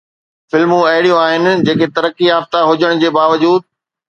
فلمون اهڙيون آهن جيڪي ترقي يافته هجڻ جي باوجود